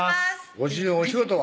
ご主人お仕事は？